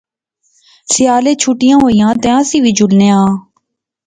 سیالے چھٹیاں ہویاں تے اس وی جلنے آں